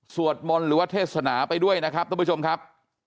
มนต์หรือว่าเทศนาไปด้วยนะครับท่านผู้ชมครับ